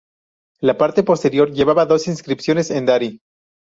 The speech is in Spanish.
La parte posterior llevaba dos inscripciones en dari.